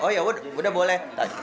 oh ya udah boleh